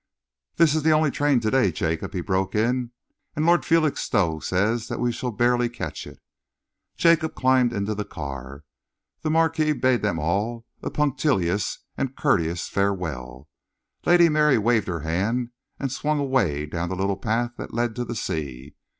"This is the only train to day, Jacob," he broke in, "and Lord Felixstowe says that we shall barely catch it." Jacob climbed into the car. The Marquis bade them all a punctilious and courteous farewell. Lady Mary waved her hand and swung away down the little path that led to the sea.